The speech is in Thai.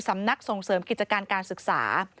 สำนักส่งเสริมกิจการการศึกษา